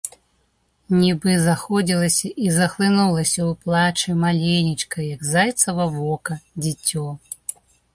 Нібы заходзілася і захлынулася ў плачы маленечкае, як зайцава вока, дзіцё.